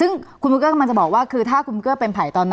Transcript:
ซึ่งคุณพูกัฎกำลังจะบอกว่าคือถ้าคุณพูกัอเป็นภัยตอนนั้น